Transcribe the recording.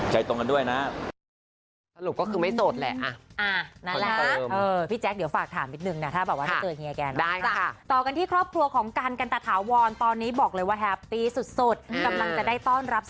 จะต่อการที่ครอบครัวของกันตาไทยวองตอนนี้บอกเลยว่าแฮปปี้สุดดลาก็ได้ต้องรับ